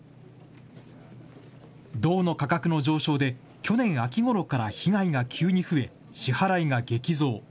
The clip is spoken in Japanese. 銅の価格の上昇で、去年秋ごろから被害が急に増え、支払いが激増。